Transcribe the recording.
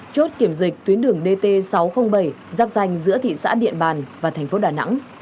chốt kiểm dịch tuyến đường dt sáu trăm linh bảy giáp danh giữa thị xã điện bàn và thành phố đà nẵng